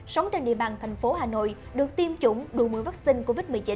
sống trên địa bàn thành phố hà nội được tiêm chủng đủ một mươi vaccine covid một mươi chín